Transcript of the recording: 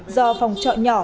do phòng trọ nhỏ